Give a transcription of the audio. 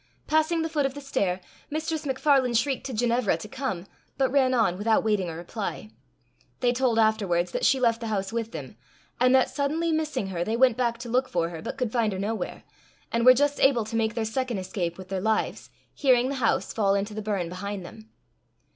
Passing the foot of the stair, Mistress MacFarlane shrieked to Ginevra to come, but ran on without waiting a reply. They told afterwards that she left the house with them, and that, suddenly missing her, they went back to look for her, but could find her nowhere, and were just able to make their second escape with their lives, hearing the house fall into the burn behind them.